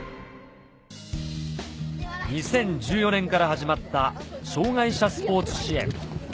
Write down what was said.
２０１４年から始まった障がい者スポーツ支援